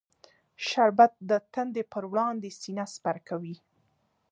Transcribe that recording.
شربت د تندې پر وړاندې سینه سپر کوي